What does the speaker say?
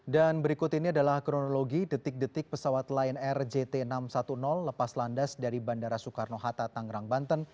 dan berikut ini adalah kronologi detik detik pesawat lion air jt enam ratus sepuluh lepas landas dari bandara soekarno hatta tangerang banten